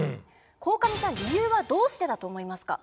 鴻上さん理由はどうしてだと思いますか？